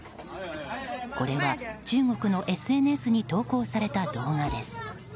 これは、中国のＳＮＳに投稿された動画です。